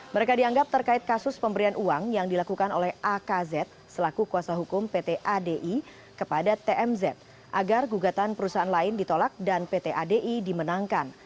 mereka dianggap terkait kasus pemberian uang yang dilakukan oleh akz selaku kuasa hukum pt adi kepada tmz agar gugatan perusahaan lain ditolak dan pt adi dimenangkan